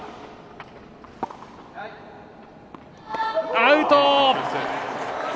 アウト！